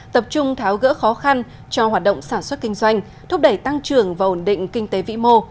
tập trung tháo gỡ khó khăn cho hoạt động sản xuất kinh doanh thúc đẩy tăng trưởng và ổn định kinh tế vĩ mô